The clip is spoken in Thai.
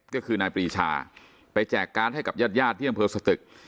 ก็คือนายปรีชาไปแจกการ์ดให้กับญาติญาติที่อำเภอสตึก